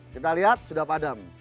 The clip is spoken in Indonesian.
kita lihat sudah padam